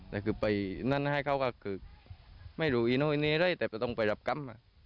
แต่คือไปนั่นให้เขาก็คือไม่รู้อะไรได้แต่ต้องไปหลับกรรม